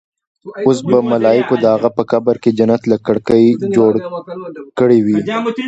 اوس به ملايکو د هغه په قبر کې جنت له کړکۍ جوړ کړې وي.